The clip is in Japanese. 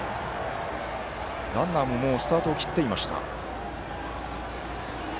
ランナーももうスタートを切っていました。